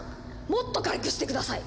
もっと軽くして下さい！